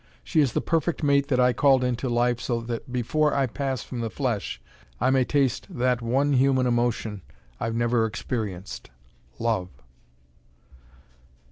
She is the perfect mate that I called into life so that before I pass from the flesh I may taste that one human emotion I've never experienced love."